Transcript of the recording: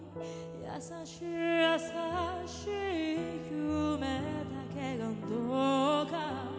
「優しい優しい夢だけがどうか」